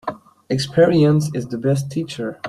Experience is the best teacher.